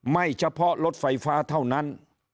เฉพาะรถไฟฟ้าเท่านั้น